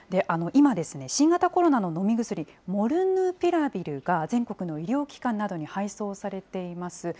今、新型コロナの飲み薬、モルヌピラビルが全国の医療機関などに配送されています。